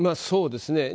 そうですね。